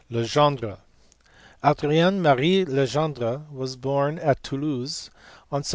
J7 Legendre. Adrien Marie Legendre was born at Toulouse [on Sept.